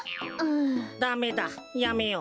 ダメだやめよう。